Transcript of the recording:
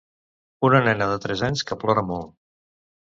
Una nena de tres anys que plora molt.